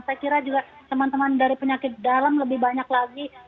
saya kira juga teman teman dari penyakit dalam lebih banyak lagi